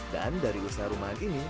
dan dari usaha rumah ini